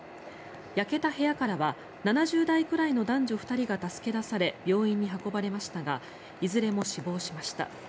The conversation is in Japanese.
焼けた部屋からは７０代くらいの男女２人が助け出され病院に運ばれましたがいずれも死亡しました。